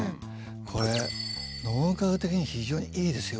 これ脳科学的に非常にいいですよ。